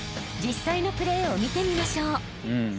［実際のプレーを見てみましょう］